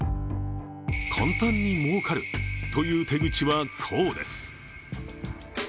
簡単に儲かるという手口はこうです。